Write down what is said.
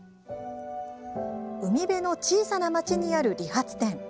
海辺の小さな町にある理髪店。